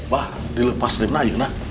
bah dilepas dari mana aja neng